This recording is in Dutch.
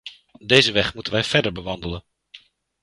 Deze weg moeten wij verder bewandelen!